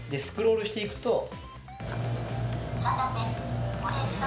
スクロールして行くと。